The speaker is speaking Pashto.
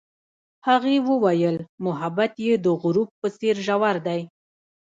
هغې وویل محبت یې د غروب په څېر ژور دی.